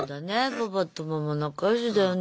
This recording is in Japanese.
パパとママ仲良しだよね」